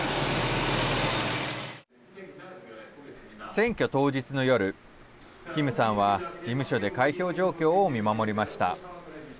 選挙当日の夜キムさんは事務所で開票状況を見守りました。